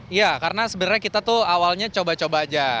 iya karena sebenarnya kita tuh awalnya coba coba aja